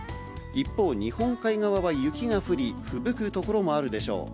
一方、日本海側は雪が降り、ふぶく所もあるでしょう。